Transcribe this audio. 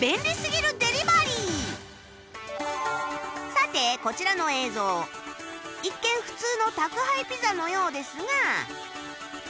さてこちらの映像一見普通の宅配ピザのようですが